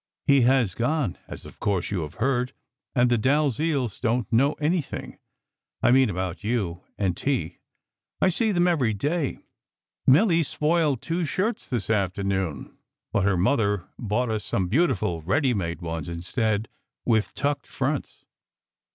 He has gone, as of course you have heard, and the Dalziels don t know anything I mean about you and T I see them every day. Milly spoiled two shirts this afternoon, but her mother bought us some beautiful readymade ones instead, with tucked fronts."